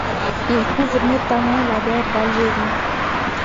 Il couvre notamment la guerre d'Algérie.